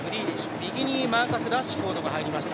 右にマーカス・ラッシュフォードが入りました。